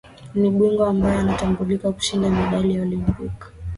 ni bingwa ambae anatambulika kushinda medali ya olimpiki